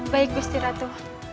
baik gusti ratu